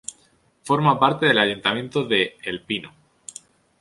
Forma parte del ayuntamiento de El Pino.